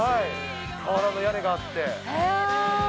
瓦の屋根があって。